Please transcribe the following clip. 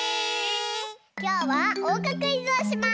きょうはおうかクイズをします！